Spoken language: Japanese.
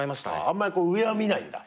あんまり上は見ないんだ？